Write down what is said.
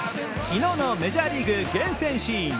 昨日のメジャーリーグ、厳選シーン。